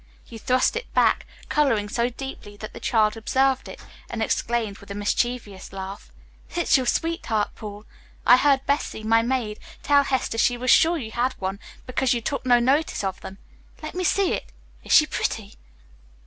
He thrust it back, coloring so deeply that the child observed it, and exclaimed, with a mischievous laugh, "It is your sweetheart, Paul. I heard Bessy, my maid, tell Hester she was sure you had one because you took no notice of them. Let me see it. Is she pretty?"